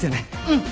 うん。